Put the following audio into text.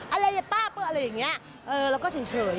อะไรอ่ะป้าอะไรอย่างนี้แล้วก็เฉย